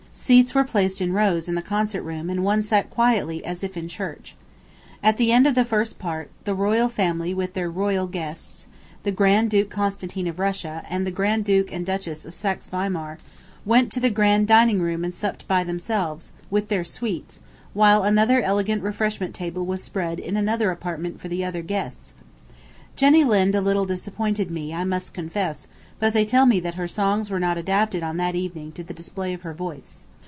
Seats were placed in rows in the concert room and one sat quietly as if in church. At the end of the first part, the royal family with their royal guests, the Grand Duke Constantine of Russia, and the Grand Duke and Duchess of Saxe Weimar went to the grand dining room and supped by themselves, with their suites, while another elegant refreshment table was spread in another apartment for the other guests. ... Jenny Lind a little disappointed me, I must confess, but they tell me that her songs were not adapted on that evening to the display of her voice.